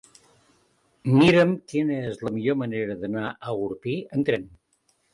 Mira'm quina és la millor manera d'anar a Orpí amb tren.